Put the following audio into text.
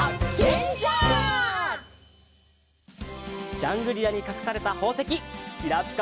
ジャングリラにかくされたほうせききらぴか